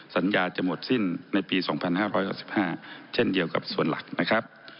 สัญญาจะหมดสิ้นในปี๒๕๖๕เช่นเดียวกับส่วนหลักนะครับ